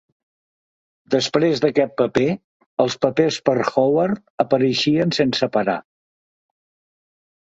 Després d'aquest paper, els papers per a Howard apareixerien sense parar.